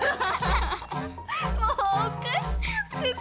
もうおかしくってさ。